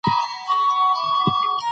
احمد شاه بابا د افغان ملت د هویت ساتونکی و.